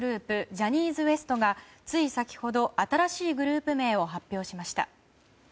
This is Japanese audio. ジャニーズＷＥＳＴがつい先ほど新しいグループ名を発表しました。